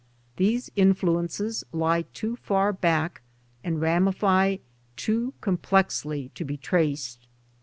These influences lie too far back and ramify too com plexly to be traced.